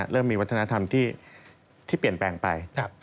เริ่มมีวัฒนธรรมที่เปลี่ยนแปลงไป